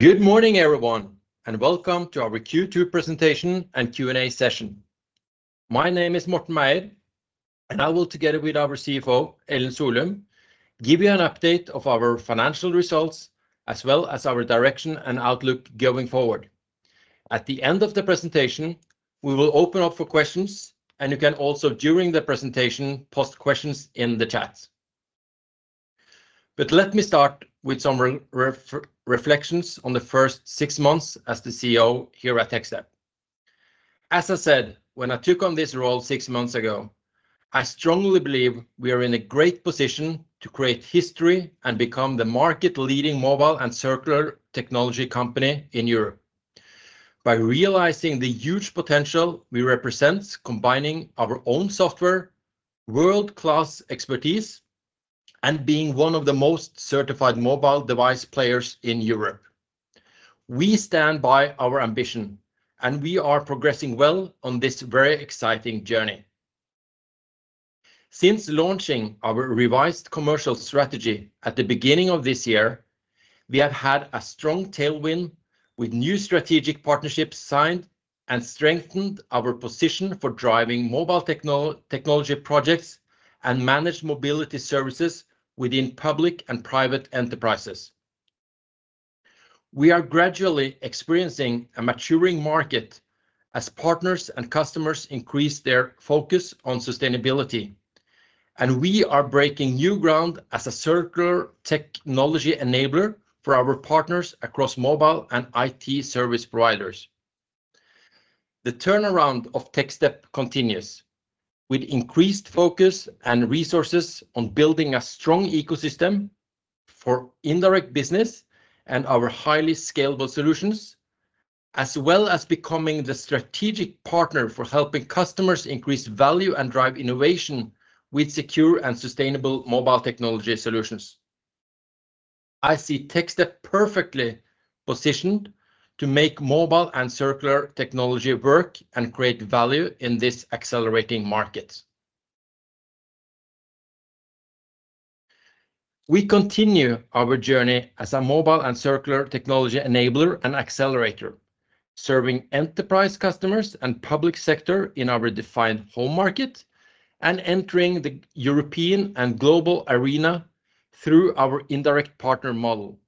Good morning, everyone, and welcome to our Q2 presentation and Q&A session. My name is Morten Meier, and I will, together with our CFO, Ellen Solum, give you an update of our financial results, as well as our direction and outlook going forward. At the end of the presentation, we will open up for questions, and you can also, during the presentation, post questions in the chat. But let me start with some reflections on the first six months as the CEO here at Techstep. As I said, when I took on this role six months ago, I strongly believe we are in a great position to create history and become the market-leading mobile and circular technology company in Europe. By realizing the huge potential we represent, combining our own software, world-class expertise, and being one of the most certified mobile device players in Europe. We stand by our ambition, and we are progressing well on this very exciting journey. Since launching our revised commercial strategy at the beginning of this year, we have had a strong tailwind, with new strategic partnerships signed and strengthened our position for driving mobile technology projects and managed mobility services within public and private enterprises. We are gradually experiencing a maturing market as partners and customers increase their focus on sustainability, and we are breaking new ground as a circular technology enabler for our partners across mobile and IT service providers. The turnaround of Techstep continues, with increased focus and resources on building a strong ecosystem for indirect business and our highly scalable solutions, as well as becoming the strategic partner for helping customers increase value and drive innovation with secure and sustainable mobile technology solutions. I see Techstep perfectly positioned to make mobile and circular technology work and create value in this accelerating market. We continue our journey as a mobile and circular technology enabler and accelerator, serving enterprise customers and public sector in our defined home market, and entering the European and global arena through our indirect partner model.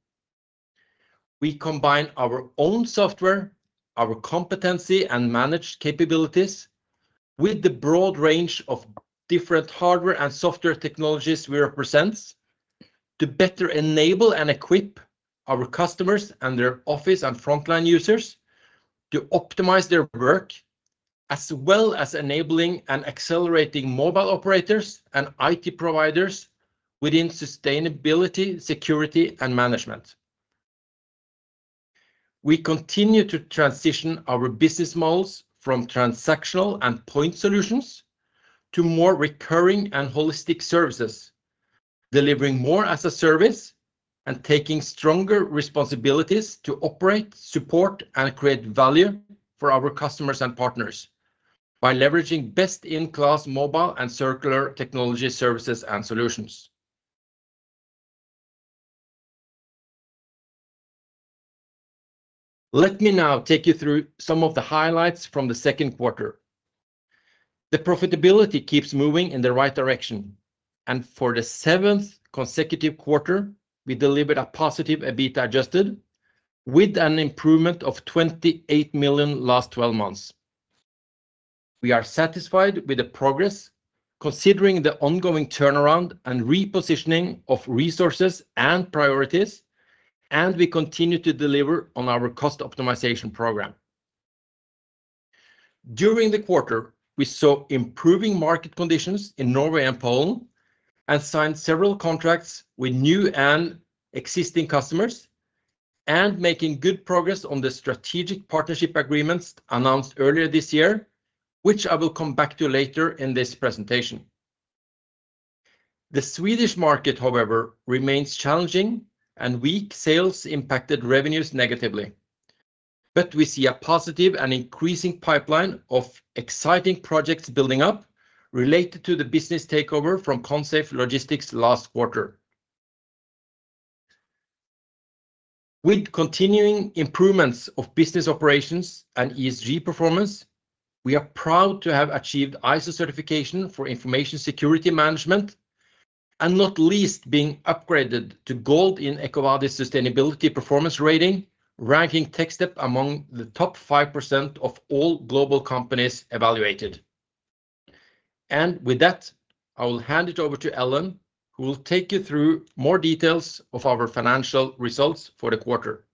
We combine our own software, our competency, and managed capabilities with the broad range of different hardware and software technologies we represent, to better enable and equip our customers and their office and frontline users to optimize their work, as well as enabling and accelerating mobile operators and IT providers within sustainability, security, and management. We continue to transition our business models from transactional and point solutions to more recurring and holistic services, delivering more as a service and taking stronger responsibilities to operate, support, and create value for our customers and partners by leveraging best-in-class mobile and circular technology services and solutions. Let me now take you through some of the highlights from the second quarter. The profitability keeps moving in the right direction, and for the seventh consecutive quarter, we delivered a positive EBITDA adjusted, with an improvement of 28 million last 12 months. We are satisfied with the progress, considering the ongoing turnaround and repositioning of resources and priorities, and we continue to deliver on our cost optimization program. During the quarter, we saw improving market conditions in Norway and Poland, and signed several contracts with new and existing customers, and making good progress on the strategic partnership agreements announced earlier this year, which I will come back to later in this presentation. The Swedish market, however, remains challenging, and weak sales impacted revenues negatively. We see a positive and increasing pipeline of exciting projects building up related to the business takeover from Consafe Logistics last quarter. With continuing improvements of business operations and ESG performance, we are proud to have achieved ISO certification for information security management, and not least, being upgraded to Gold in EcoVadis Sustainability Performance Rating, ranking Techstep among the top 5% of all global companies evaluated. With that, I will hand it over to Ellen, who will take you through more details of our financial results for the quarter.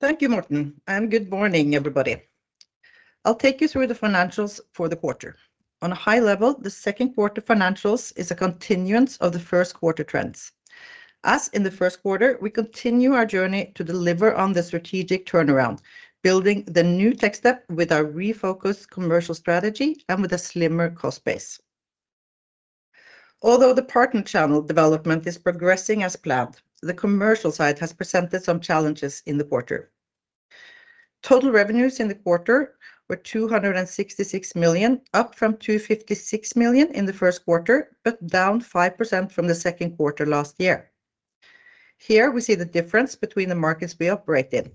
Thank you, Morten, and good morning, everybody. I'll take you through the financials for the quarter. On a high level, the second quarter financials is a continuance of the first quarter trends. As in the first quarter, we continue our journey to deliver on the strategic turnaround, building the new Techstep with our refocused commercial strategy and with a slimmer cost base. Although the partner channel development is progressing as planned, the commercial side has presented some challenges in the quarter. Total revenues in the quarter were 266 million, up from 256 million in the first quarter, but down 5% from the second quarter last year. Here, we see the difference between the markets we operate in,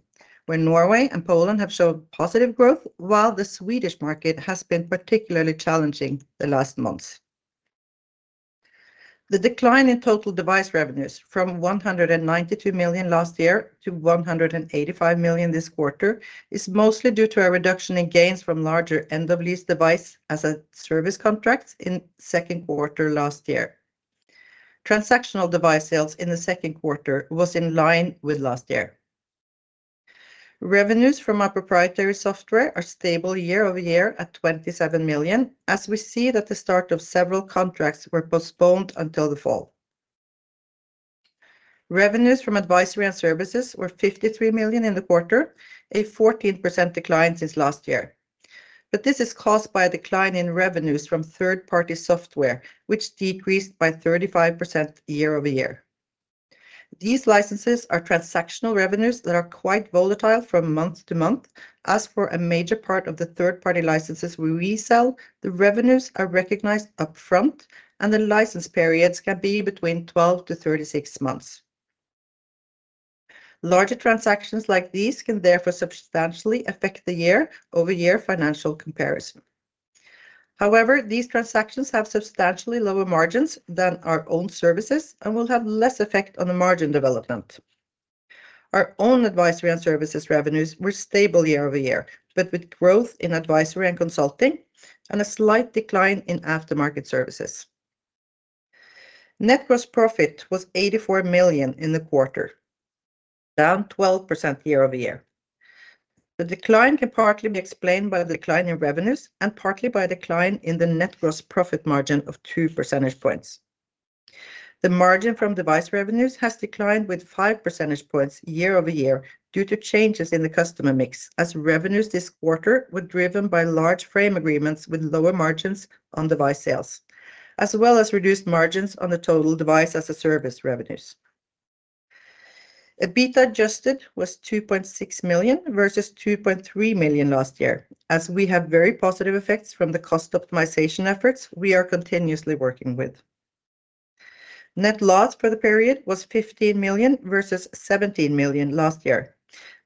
where Norway and Poland have showed positive growth, while the Swedish market has been particularly challenging the last months. The decline in total device revenues from 192 million last year to 185 million this quarter is mostly due to a reduction in gains from larger end-of-lease Device as a Service contract in second quarter last year. Transactional device sales in the second quarter was in line with last year. Revenues from our proprietary software are stable year-over-year at 27 million, as we see that the start of several contracts were postponed until the fall. Revenues from advisory services were 53 million in the quarter, a 14% decline since last year. This is caused by a decline in revenues from third-party software, which decreased by 35% year-over-year. These licenses are transactional revenues that are quite volatile from month to month. As for a major part of the third-party licenses we resell, the revenues are recognized upfront, and the license periods can be between 12-36 months. Larger transactions like these can therefore substantially affect the year-over-year financial comparison. However, these transactions have substantially lower margins than our own services and will have less effect on the margin development. Our own advisory and services revenues were stable year-over-year, but with growth in advisory and consulting and a slight decline in aftermarket services. Net gross profit was 84 million in the quarter, down 12% year-over-year. The decline can partly be explained by the decline in revenues and partly by a decline in the net gross profit margin of two percentage points. The margin from device revenues has declined with 5 percentage points year-over-year due to changes in the customer mix, as revenues this quarter were driven by large frame agreements with lower margins on device sales, as well as reduced margins on the total Device as a Service revenues. EBITDA adjusted was 2.6 million versus 2.3 million last year, as we have very positive effects from the cost optimization efforts we are continuously working with. Net loss for the period was 15 million versus 17 million last year,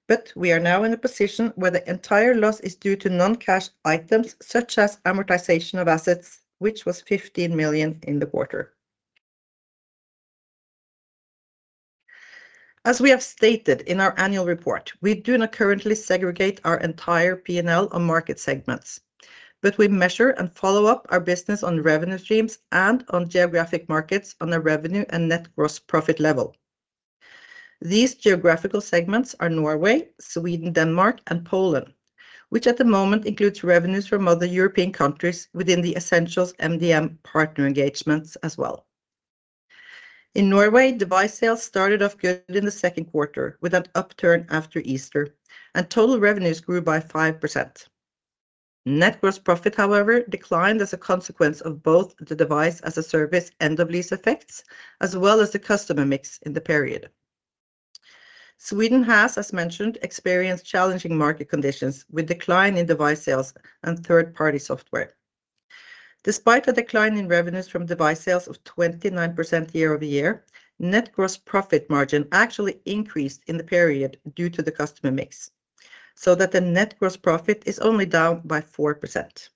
but we are now in a position where the entire loss is due to non-cash items, such as amortization of assets, which was 15 million in the quarter. As we have stated in our annual report, we do not currently segregate our entire P&L on market segments, but we measure and follow up our business on revenue streams and on geographic markets on a revenue and net gross profit level. These geographical segments are Norway, Sweden, Denmark, and Poland, which at the moment includes revenues from other European countries within the Essentials MDM partner engagements as well. In Norway, device sales started off good in the second quarter with an upturn after Easter, and total revenues grew by 5%. Net gross profit, however, declined as a consequence of both the Device as a Service end of lease effects, as well as the customer mix in the period. Sweden has, as mentioned, experienced challenging market conditions with decline in device sales and third-party software. Despite a decline in revenues from device sales of 29% year-over-year, net gross profit margin actually increased in the period due to the customer mix, so that the net gross profit is only down by 4%.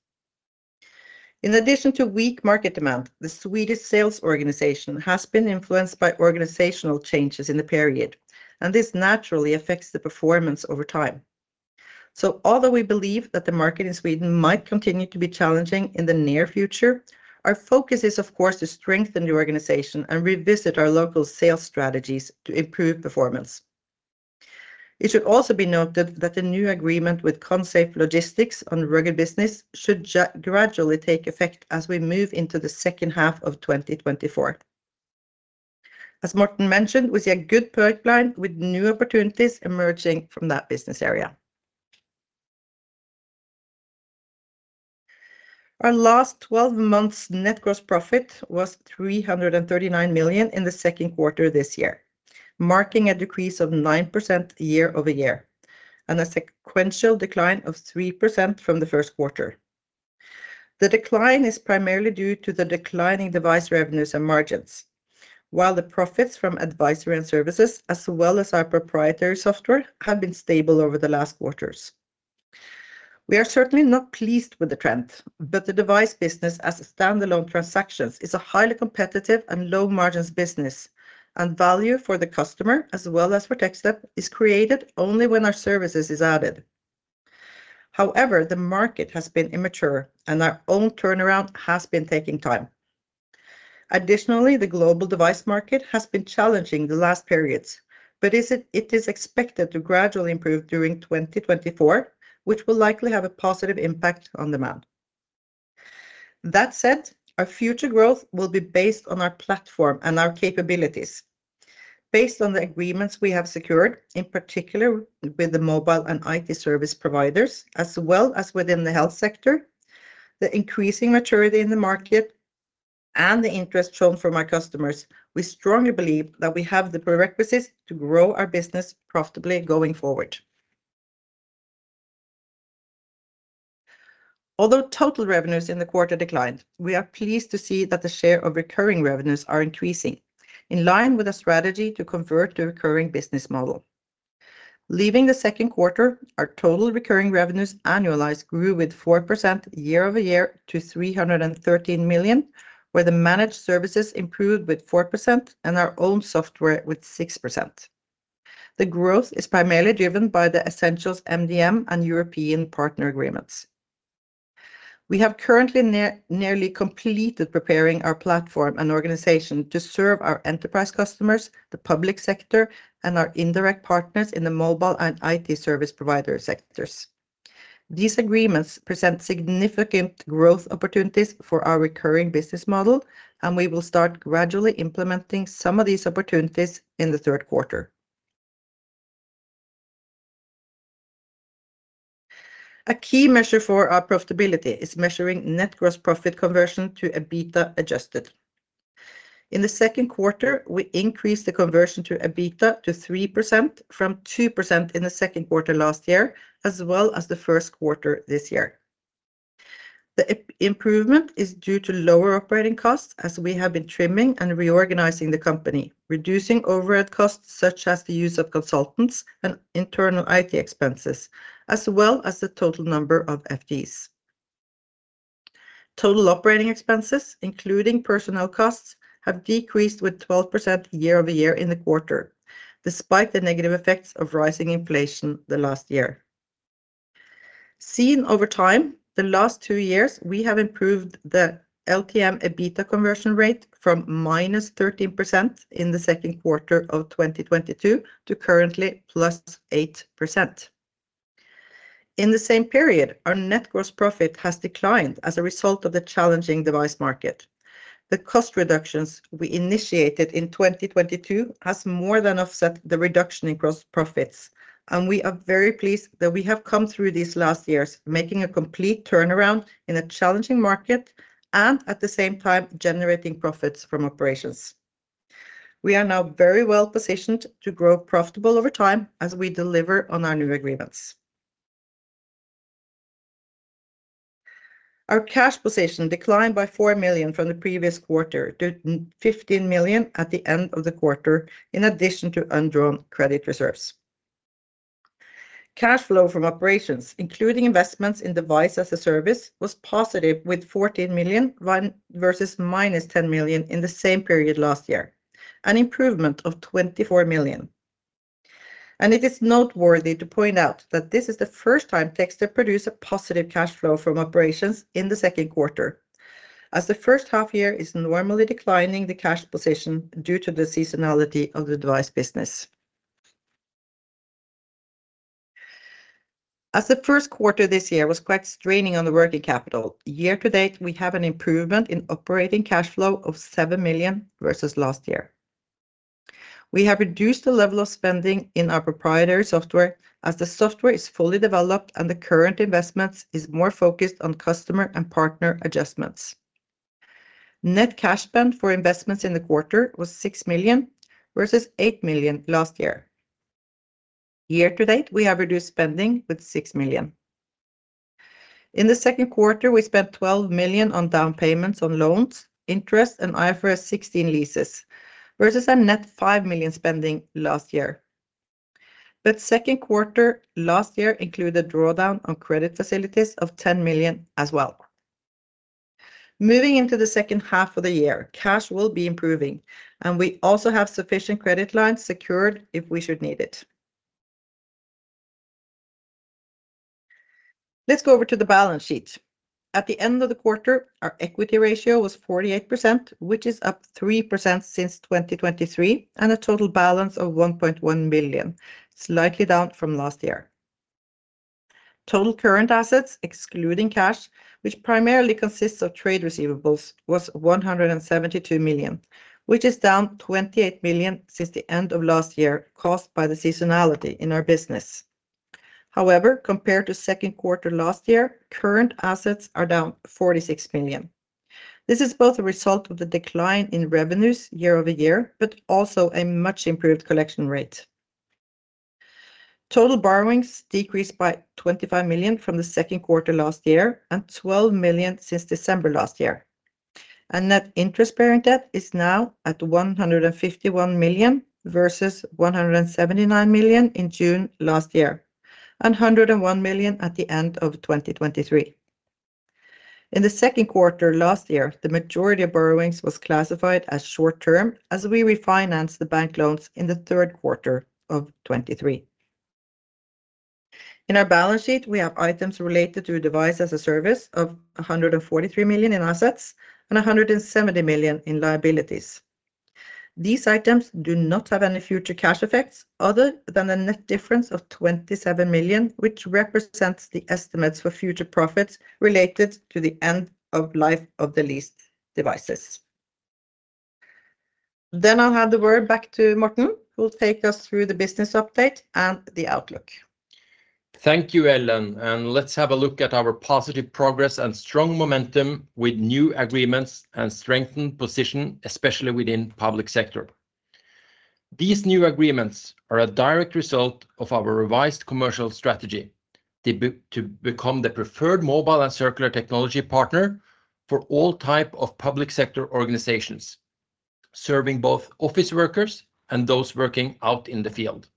In addition to weak market demand, the Swedish sales organization has been influenced by organizational changes in the period, and this naturally affects the performance over time. Although we believe that the market in Sweden might continue to be challenging in the near future, our focus is, of course, to strengthen the organization and revisit our local sales strategies to improve performance. It should also be noted that the new agreement with Consafe Logistics on rugged business should gradually take effect as we move into the second half of 2024. As Morten mentioned, we see a good pipeline with new opportunities emerging from that business area. Our last 12 months net gross profit was 339 million in the second quarter this year, marking a decrease of 9% year-over-year, and a sequential decline of 3% from the first quarter. The decline is primarily due to the declining device revenues and margins, while the profits from advisory and services, as well as our proprietary software, have been stable over the last quarters. We are certainly not pleased with the trend, but the device business as a standalone transactions is a highly competitive and low margins business, and value for the customer, as well as for Techstep, is created only when our services is added. However, the market has been immature, and our own turnaround has been taking time. Additionally, the global device market has been challenging the last periods, but it is expected to gradually improve during 2024, which will likely have a positive impact on demand. That said, our future growth will be based on our platform and our capabilities. Based on the agreements we have secured, in particular with the mobile and IT service providers, as well as within the health sector, the increasing maturity in the market and the interest shown from our customers, we strongly believe that we have the prerequisites to grow our business profitably going forward. Although total revenues in the quarter declined, we are pleased to see that the share of recurring revenues are increasing, in line with a strategy to convert to recurring business model. Leaving the second quarter, our total recurring revenues annualized grew 4% year-over-year to 313 million, where the managed services improved 4% and our own software 6%. The growth is primarily driven by the Essentials MDM and European partner agreements. We have currently nearly completed preparing our platform and organization to serve our enterprise customers, the public sector, and our indirect partners in the mobile and IT service provider sectors. These agreements present significant growth opportunities for our recurring business model, and we will start gradually implementing some of these opportunities in the third quarter. A key measure for our profitability is measuring net gross profit conversion to EBITDA adjusted. In the second quarter, we increased the conversion to EBITDA to 3% from 2% in the second quarter last year, as well as the first quarter this year. The improvement is due to lower operating costs, as we have been trimming and reorganizing the company, reducing overhead costs, such as the use of consultants and internal IT expenses, as well as the total number of FTEs. Total operating expenses, including personnel costs, have decreased with 12% year-over-year in the quarter, despite the negative effects of rising inflation the last year. Seen over time, the last two years, we have improved the LTM EBITDA conversion rate from -13% in the second quarter of 2022 to currently +8%. In the same period, our net gross profit has declined as a result of the challenging device market. The cost reductions we initiated in 2022 has more than offset the reduction in gross profits, and we are very pleased that we have come through these last years, making a complete turnaround in a challenging market and, at the same time, generating profits from operations. We are now very well positioned to grow profitable over time as we deliver on our new agreements. Our cash position declined by 4 million from the previous quarter to 15 million at the end of the quarter, in addition to undrawn credit reserves. Cash flow from operations, including investments in Device as a Service, was positive with 14.1 million versus -10 million in the same period last year, an improvement of 24 million. It is noteworthy to point out that this is the first time Techstep produced a positive cash flow from operations in the second quarter, as the first half year is normally declining the cash position due to the seasonality of the device business. As the first quarter this year was quite straining on the working capital, year to date, we have an improvement in operating cash flow of 7 million versus last year. We have reduced the level of spending in our proprietary software, as the software is fully developed and the current investments is more focused on customer and partner adjustments. Net cash spend for investments in the quarter was 6 million, versus 8 million last year. Year to date, we have reduced spending with 6 million. In the second quarter, we spent 12 million on down payments on loans, interest, and IFRS 16 leases, versus a net 5 million spending last year. But second quarter last year included a drawdown on credit facilities of 10 million as well. Moving into the second half of the year, cash will be improving, and we also have sufficient credit lines secured if we should need it. Let's go over to the balance sheet. At the end of the quarter, our equity ratio was 48%, which is up 3% since 2023, and a total balance of 1.1 billion, slightly down from last year. Total current assets, excluding cash, which primarily consists of trade receivables, was 172 million, which is down 28 million since the end of last year, caused by the seasonality in our business. However, compared to second quarter last year, current assets are down 46 million. This is both a result of the decline in revenues year-over-year, but also a much improved collection rate. Total borrowings decreased by 25 million from the second quarter last year and 12 million since December last year. Net interest-bearing debt is now at 151 million, versus 179 million in June last year, and 101 million at the end of 2023. In the second quarter last year, the majority of borrowings was classified as short term, as we refinanced the bank loans in the third quarter of 2023. In our balance sheet, we have items related to Device as a Service of 143 million in assets and 170 million in liabilities. These items do not have any future cash effects other than a net difference of 27 million, which represents the estimates for future profits related to the end of life of the leased devices. Then I'll hand the word back to Morten, who will take us through the business update and the outlook. Thank you, Ellen, and let's have a look at our positive progress and strong momentum with new agreements and strengthened position, especially within public sector. These new agreements are a direct result of our revised commercial strategy to become the preferred mobile and circular technology partner for all type of public sector organizations, serving both office workers and those working out in the field.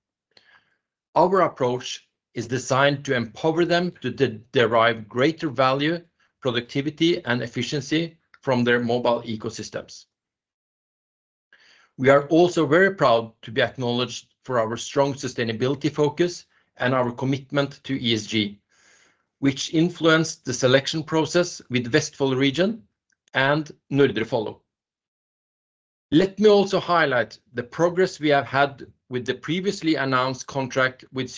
Our approach is designed to empower them to derive greater value, productivity, and efficiency from their mobile ecosystems. We are also very proud to be acknowledged for our strong sustainability focus and our commitment to ESG, which influenced the selection process with Vestfold region and Nordre Follo. Let me also highlight the progress we have had with the previously announced contract with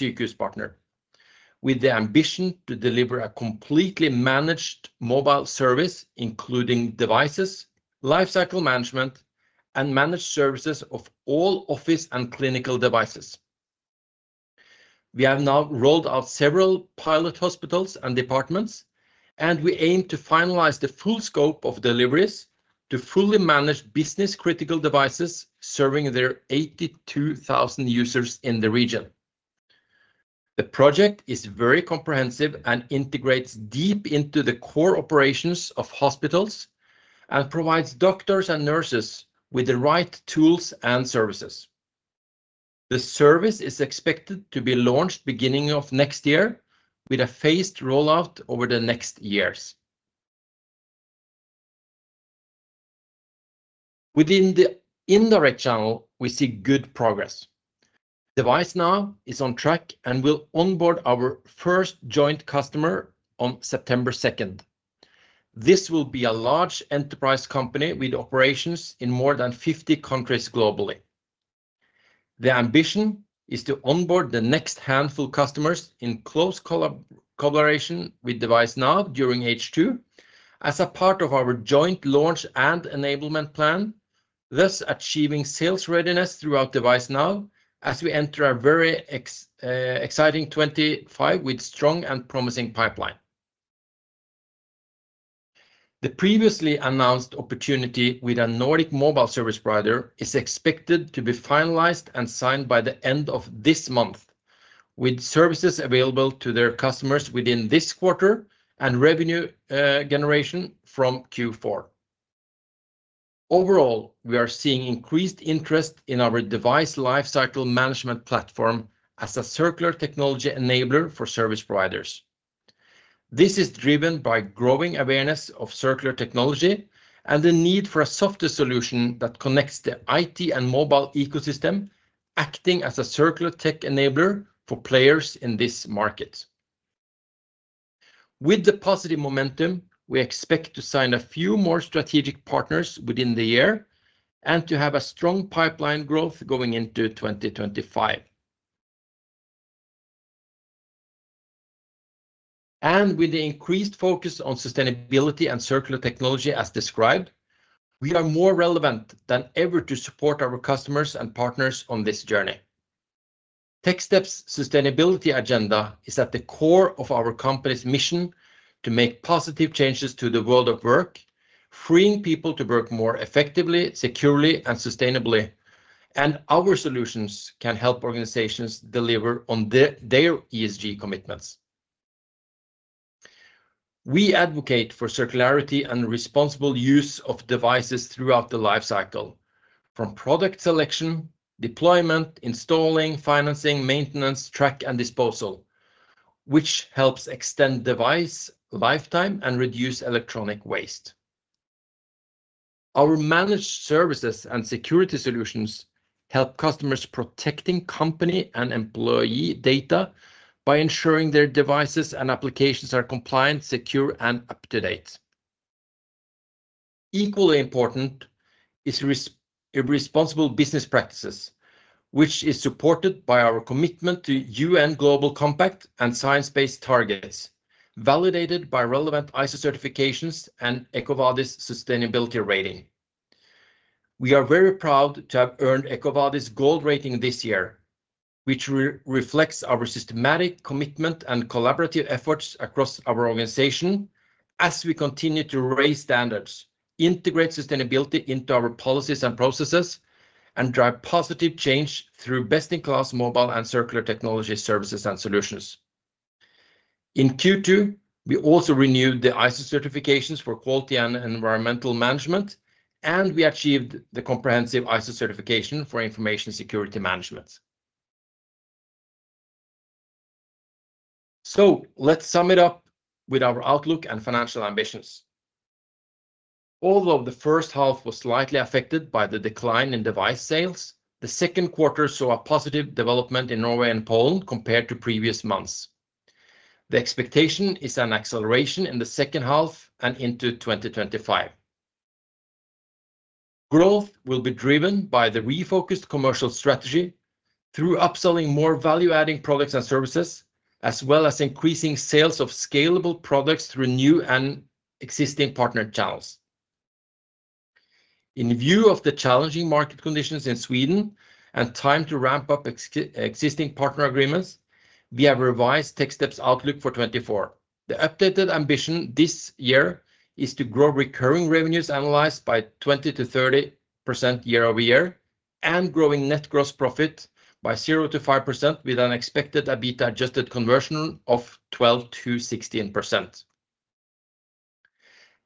Sykehuspartner, with the ambition to deliver a completely managed mobile service, including devices, lifecycle management, and managed services of all office and clinical devices. We have now rolled out several pilot hospitals and departments, and we aim to finalize the full scope of deliveries to fully manage business-critical devices serving their 82,000 users in the region. The project is very comprehensive and integrates deep into the core operations of hospitals and provides doctors and nurses with the right tools and services. The service is expected to be launched beginning of next year, with a phased rollout over the next years. Within the indirect channel, we see good progress. DeviceNow is on track and will onboard our first joint customer on September 2. This will be a large enterprise company with operations in more than 50 countries globally. The ambition is to onboard the next handful customers in close collaboration with DeviceNow during H2 as a part of our joint launch and enablement plan, thus achieving sales readiness throughout DeviceNow as we enter a very exciting 2025 with strong and promising pipeline. The previously announced opportunity with a Nordic mobile service provider is expected to be finalized and signed by the end of this month, with services available to their customers within this quarter and revenue generation from Q4. Overall, we are seeing increased interest in our device lifecycle management platform as a circular technology enabler for service providers. This is driven by growing awareness of circular technology and the need for a software solution that connects the IT and mobile ecosystem, acting as a circular tech enabler for players in this market. With the positive momentum, we expect to sign a few more strategic partners within the year and to have a strong pipeline growth going into 2025. And with the increased focus on sustainability and circular technology as described, we are more relevant than ever to support our customers and partners on this journey. Techstep's sustainability agenda is at the core of our company's mission to make positive changes to the world of work, freeing people to work more effectively, securely, and sustainably, and our solutions can help organizations deliver on their, their ESG commitments. We advocate for circularity and responsible use of devices throughout the life cycle, from product selection, deployment, installing, financing, maintenance, track, and disposal, which helps extend device lifetime and reduce electronic waste. Our managed services and security solutions help customers protecting company and employee data by ensuring their devices and applications are compliant, secure, and up-to-date. Equally important is responsible business practices, which is supported by our commitment to UN Global Compact and Science Based Targets, validated by relevant ISO certifications and EcoVadis sustainability rating. We are very proud to have earned EcoVadis Gold rating this year, which reflects our systematic commitment and collaborative efforts across our organization as we continue to raise standards, integrate sustainability into our policies and processes, and drive positive change through best-in-class mobile and circular technology services and solutions. In Q2, we also renewed the ISO certifications for quality and environmental management, and we achieved the comprehensive ISO certification for information security management. So let's sum it up with our outlook and financial ambitions. Although the first half was slightly affected by the decline in device sales, the second quarter saw a positive development in Norway and Poland compared to previous months. The expectation is an acceleration in the second half and into 2025. Growth will be driven by the refocused commercial strategy through upselling more value-adding products and services, as well as increasing sales of scalable products through new and existing partner channels. In view of the challenging market conditions in Sweden and time to ramp up existing partner agreements, we have revised Techstep's outlook for 2024. The updated ambition this year is to grow recurring revenues annualized by 20%-30% year-over-year, and growing net gross profit by 0%-5%, with an expected EBITDA adjusted conversion of 12%-16%.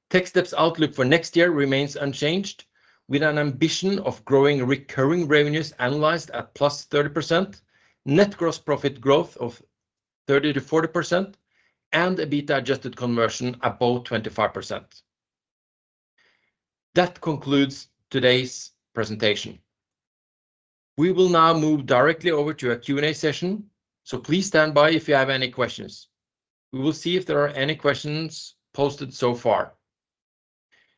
Techstep's outlook for next year remains unchanged, with an ambition of growing recurring revenues annualized at +30%, net gross profit growth of 30%-40%, and EBITDA adjusted conversion above 25%. That concludes today's presentation. We will now move directly over to our Q&A session, so please stand by if you have any questions. We will see if there are any questions posted so far.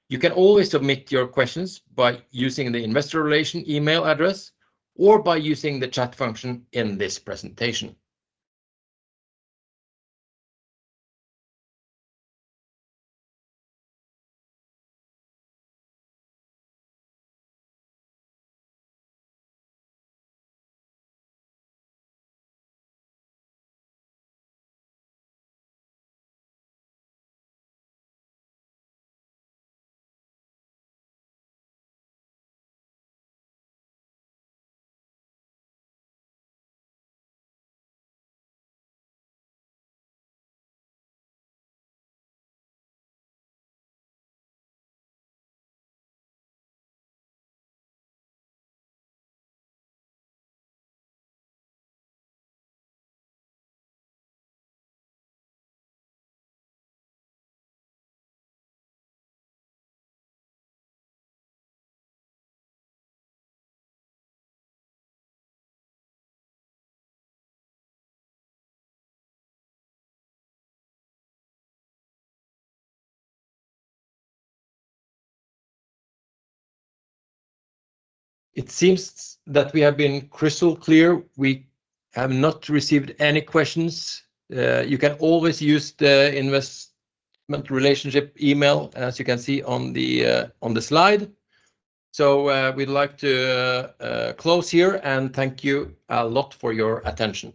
You can always submit your questions by using the investor relation email address or by using the chat function in this presentation. It seems that we have been crystal clear. We have not received any questions. You can always use the investment relationship email, as you can see on the slide. So, we'd like to close here, and thank you a lot for your attention.